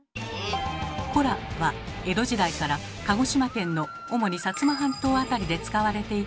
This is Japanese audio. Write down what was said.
「コラ」は江戸時代から鹿児島県の主に薩摩半島辺りで使われていたとされる方言。